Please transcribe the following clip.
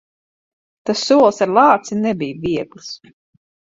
Tas solis ar lāci nebija viegls.